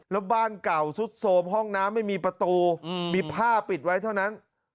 แล้วบ้านเก่าสุดโสมห้องน้ำไม่มีประตูมีผ้าปิดไว้เท่านั้น